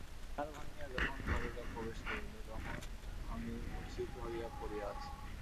দ্বার ভাঙিয়া যখন ঘরে লোক প্রবেশ করিল তখন আমি মূর্ছিত হইয়া পড়িয়া আছি।